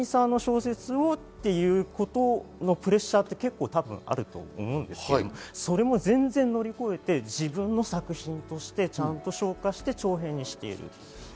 村上さんの小説をっていうことへのプレッシャーって結構あると思うんですけども、それも全然乗り越えて自分の作品としてちゃんと消化して長編にしている。